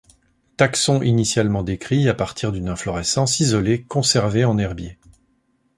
Taxon initialement décrit à partir d'une inflorescence isolée conservée en herbier.